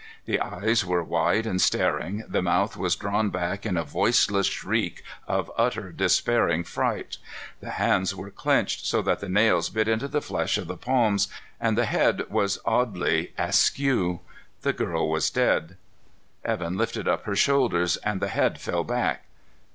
The eyes were wide and staring, the mouth was drawn back in a voiceless shriek of utter, despairing fright. The hands were clenched so that the nails bit into the flesh of the palms, and the head was oddly askew. The girl was dead. Evan lifted up her shoulders and the head fell back.